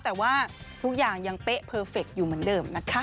แต่ว่าทุกอย่างยังเป๊ะเพอร์เฟคอยู่เหมือนเดิมนะคะ